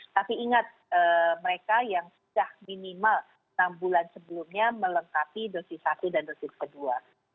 tapi ingat mereka yang sudah minimal enam bulan sebelumnya melengkapi dosis satu dan dosis kedua